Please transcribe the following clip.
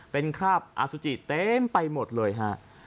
เป็นคราบอสุจิเต็มไปหมดเลยฮะ